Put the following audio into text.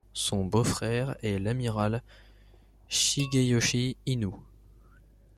Son beau-frère est l'amiral Shigeyoshi Inoue.